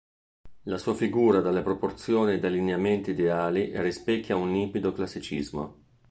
La sua figura dalle proporzioni e dai lineamenti ideali rispecchia un limpido classicismo.